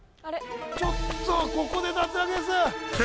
ちょっとここで脱落です